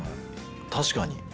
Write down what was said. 確かに。